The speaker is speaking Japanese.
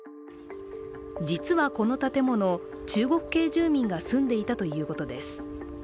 実はこの建物、中国系住民が住んでいたということです。